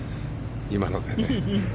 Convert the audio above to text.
今のでね。